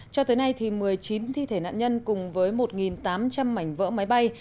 cho tới nay một mươi chín thi thể nạn nhân cùng với một tám trăm linh mảnh vỡ máy bay